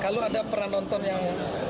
kalau ada pernah nonton yang